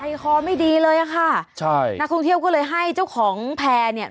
คอไม่ดีเลยอ่ะค่ะใช่นักท่องเที่ยวก็เลยให้เจ้าของแพร่เนี่ย